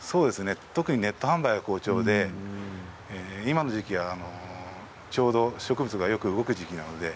ネット販売が好調で今の時期はちょうど植物がよく動く時期です。